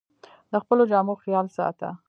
د خپلو جامو خیال ساته